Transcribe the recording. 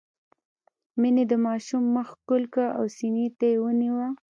مينې د ماشوم مخ ښکل کړ او سينې ته يې ونيوه.